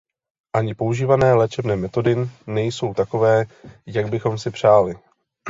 Ani používané léčebné metody nejsou takové, jak bychom si přáli.